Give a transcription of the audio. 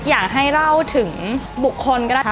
อยากให้เล่าถึงบุคคลก็แล้วกัน